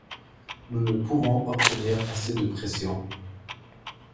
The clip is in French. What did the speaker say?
Nous ne pouvons obtenir assez de pression.